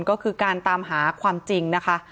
ก็คือการตามหาความจริงนะคะ